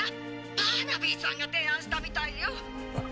バーナビーさんが提案したみたいよ。っ！